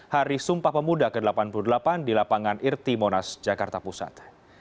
hari sumpah pemuda ke delapan puluh delapan di lapangan irti monas jakarta pusat